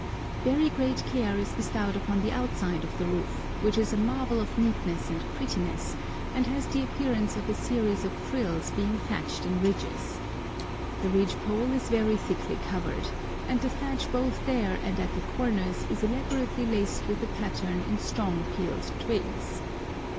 Very great care is bestowed upon the outside of the roof, which is a marvel of neatness and prettiness, and has the appearance of a series of frills being thatched in ridges. The ridge pole is very thickly covered, and the thatch both there and at the corners is elaborately laced with a pattern in strong peeled twigs.